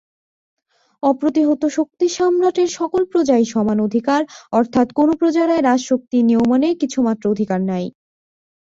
অপ্রতিহতশক্তি সম্রাটের সকল প্রজারই সমান অধিকার অর্থাৎ কোন প্রজারই রাজশক্তির নিয়মনে কিছুমাত্র অধিকার নাই।